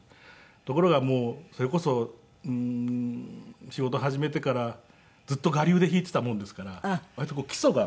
ところがもうそれこそ仕事始めてからずっと我流で弾いていたもんですから割とこう基礎が。